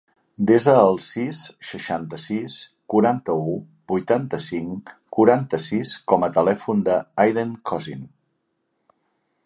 Desa el sis, seixanta-sis, quaranta-u, vuitanta-cinc, quaranta-sis com a telèfon de l'Aiden Cosin.